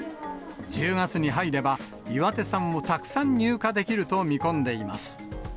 １０月に入れば、岩手産をたくさん入荷できると見込んでいます。